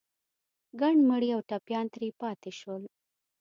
ګڼ مړي او ټپيان ترې پاتې شول.